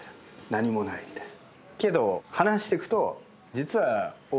「何もない」みたいな。